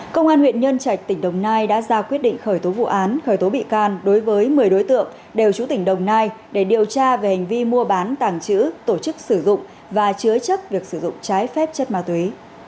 công an huyện nhân trạch tỉnh đồng nai đã ra quyết định khởi tố vụ án khởi tố bị can đối với một mươi đối tượng đều chủ tỉnh đồng nai để điều tra về hành vi mua bán tàng trữ tổ chức sử dụng và chứa chấp việc sử dụng trái phép chất ma túy